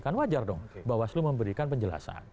kan wajar dong bawaslu memberikan penjelasan